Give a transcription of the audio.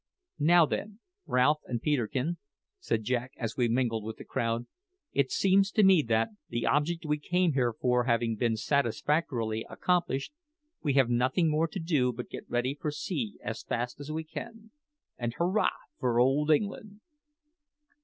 "Now, then, Ralph and Peterkin," said Jack as we mingled with the crowd, "it seems to me that, the object we came here for having been satisfactorily accomplished, we have nothing more to do but get ready for sea as fast as we can, and hurrah for old England!"